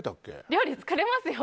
料理、作れますよ！